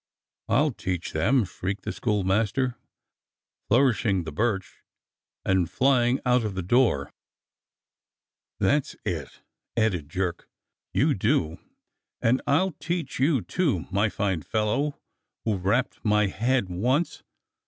"I'll teach them!" shrieked the schoolmaster, flour ishing the birch and flying out of the door. ^'That's it!" added Jerk. "You do, and I'll teach you, too, my fine fellow, who rapped my head once.